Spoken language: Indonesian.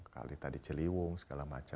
kali tadi ciliwung